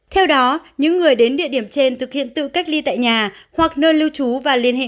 theo đó những người đến địa điểm trên thực hiện tự cách ly tại nhà hoặc nơi lưu trú và liên hệ